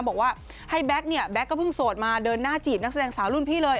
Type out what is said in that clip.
บอกว่าให้แบ็คเนี่ยแก๊กก็เพิ่งโสดมาเดินหน้าจีบนักแสดงสาวรุ่นพี่เลย